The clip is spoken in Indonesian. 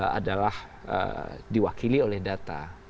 adalah diwakili oleh data